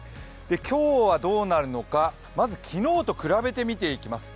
今日はどうなるのか、まず昨日と比べて見ていきます。